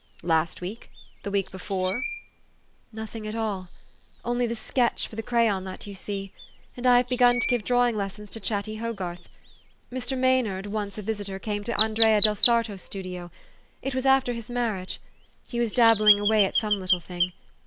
Last week ? The week before ?'' 1 ; Nothing at all. Only the sketch for the crayon that you see. And I have begun to give drawing lessons to Chatty Hogarth. Mr. Maynard, once a visitor came into Andrea del Sarto's studio. It was after his marriage. He was dabbling away at some little thing.